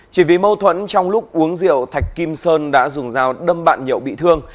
chỉ vì mâu thuẫn trong lúc uống rượu thạch kim sơn đã dùng dao đâm bạn nhậu bị thương